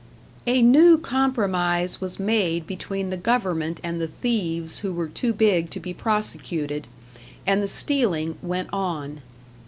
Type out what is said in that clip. A new compromise was made between the government and the thieves who were too big to be prosecuted, and the stealing went on.